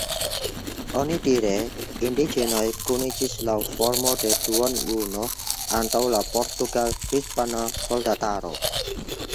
Onidire indiĝenoj kuniĝis laŭ formo de duonluno antaŭ la portugal-hispana soldataro.